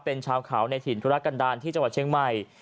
เป็นชาวเขาในถิ่นธุรกันดาลที่จังหวัดเชียงใหม่